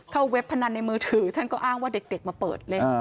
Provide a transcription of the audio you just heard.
เว็บพนันในมือถือท่านก็อ้างว่าเด็กมาเปิดเล่น